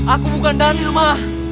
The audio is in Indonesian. aku bukan daniel ma